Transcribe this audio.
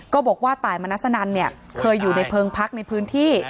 ก็บอกว่าตายมนัสนันเนี่ยเคยอยู่ในเพิงพักในพื้นที่